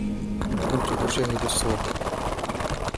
كنت أشاهد الصورة.